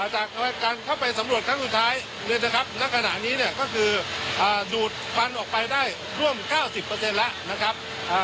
จากการเข้าไปสำรวจครั้งสุดท้ายนะครับณขณะนี้ก็คือดูดพันธุ์ออกไปได้ร่วม๙๐เปอร์เซ็นต์แล้วนะครับ